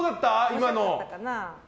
今の。